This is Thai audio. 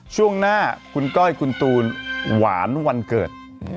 ช่วงหน้าคุณก้อยคุณตูนหวานวันเกิด